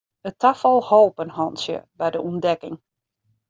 It tafal holp in hantsje by de ûntdekking.